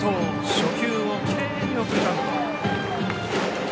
初球をきれいに送りバント。